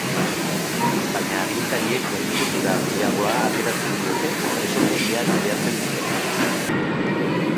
Baina agintariek baino onura handiagoa ateratzen diote presondegia kudeatzen dutenek.